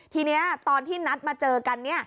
ทีนี้ตอนที่นัดมาเจอกัน